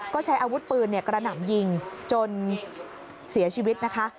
ก็ใช้อาวุธปืนกระหน่ำยิงจนเสียชีวิตนะคะ